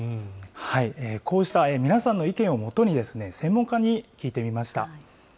こうした皆さんの意見をもとに、専門家に聞いてみました。